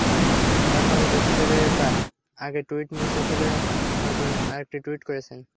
তারপরই হুঁশ ফেরে তাঁর, আগের টুইট মুছে ফেলে নতুন আরেকটি টুইট করেছেন।